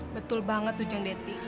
betul banget tuh jeng deti